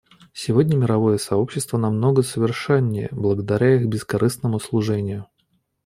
Сегодня мировое сообщество намного совершеннее благодаря их бескорыстному служению.